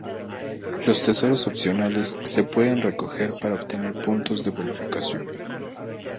Los tesoros opcionales se pueden recoger para obtener puntos de bonificación.